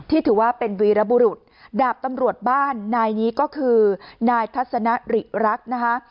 ถือว่าเป็นวีรบุรุษดาบตำรวจบ้านนายนี้ก็คือนายทัศนริรักษ์นะคะ